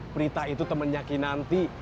prita itu temennya kinanti